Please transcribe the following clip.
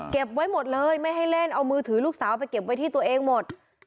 ไว้หมดเลยไม่ให้เล่นเอามือถือลูกสาวไปเก็บไว้ที่ตัวเองหมด